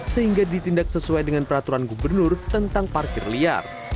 sehingga ditindak sesuai dengan peraturan gubernur tentang parkir liar